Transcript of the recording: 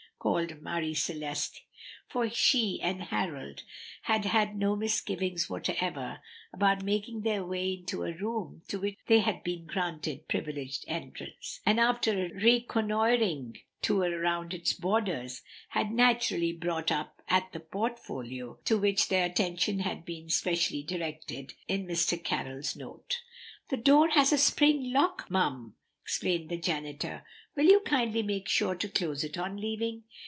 called Marie Celeste, for she and Harold had had no misgivings whatever about making their way into a room to which they had been granted privileged entrance; and after a reconnoitring tour round its borders had naturally brought up at the portfolio, to which their attention had been specially directed in Mr. Carroll's note. "The door has a spring lock, mum," explained the janitor; "will you kindly make sure to close it on leaving?"